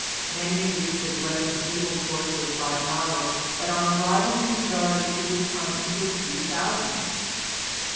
Many a youth was led into evil courses by the knowledge that on arriving at majority he would come into a few thousands.